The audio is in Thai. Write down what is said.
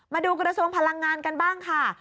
มาดูกระทรวงพลังงานกันบ้างค่ะ